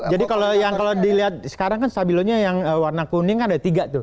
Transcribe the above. jadi kalau yang dilihat sekarang kan stabilonya yang warna kuning kan ada tiga tuh